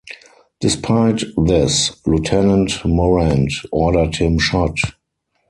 Despite this, Lieutenant Morant ordered him shot.